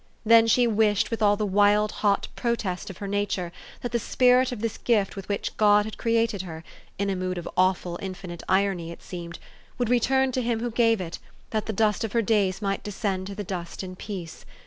Then she wished, with all the wild, hot protest of her nature, that the spirit of this gift with which God had created her in a mood of awful infinite irony, it seemed would return to Him who gave it, that the dust of her days might descend to the dust in peace.